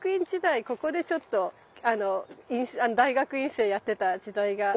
ここでちょっと大学院生やってた時代がありまして。